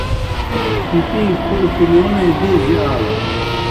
پِپِیں پُھڑہ پِلِیونے دیزیْ آلان۔